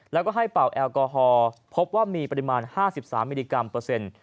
แล้วก็ให้เป่าแอลกอฮอล์พบว่ามีปริมาณ๕๓มิลลิกรัมเปอร์เซ็นต์